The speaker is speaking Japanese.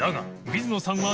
水野さん）